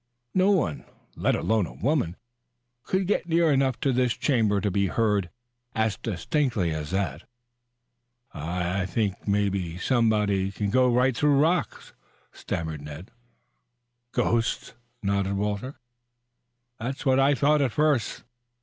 "No one, let alone a woman, could get near enough to this chamber to be heard as distinctly as that." "I I think it must be somebody who can go right through a rock," stammered Ned. "Ghosts," nodded Walter. "That's what I thought at first.